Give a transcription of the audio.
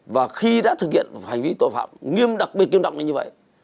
và khi đã thực hiện một hành vi tội phạm nghiêm đặc biệt kiên trọng như vậy